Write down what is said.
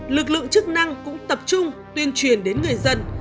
lực lượng chức năng cũng tập trung tuyên truyền đến người dân